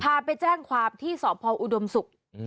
พาไปแจ้งความที่สอบพออุดมศุกร์